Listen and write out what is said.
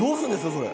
それ。